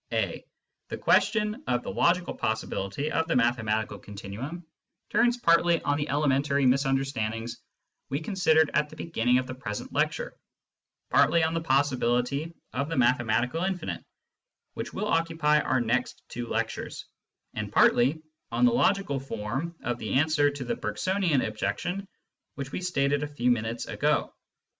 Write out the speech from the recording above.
(a) The question of the logical possibility of the mathematical continuum turns partly on the elementary misunderstandings we considered at the beginning of the present lecture, partly on the possibility of the mathe matical infinite, which will occupy our next two lectures, and partly on the logical form of the answer to the Bergsonian objection which we stated a few minutes ago.